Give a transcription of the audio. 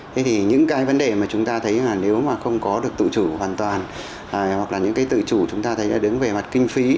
thế thì những cái vấn đề mà chúng ta thấy là nếu mà không có được tự chủ hoàn toàn hoặc là những cái tự chủ chúng ta thấy là đứng về mặt kinh phí